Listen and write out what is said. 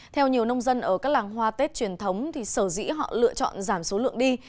theo nhiều nông dân ở các làng hoa tết truyền thống sở dĩ họ lựa chọn giảm số lượng đi